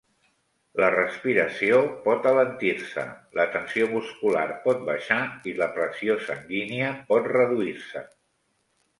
La respiració pot alentir-se, la tensió muscular pot baixar i la pressió sanguínia pot reduir-se.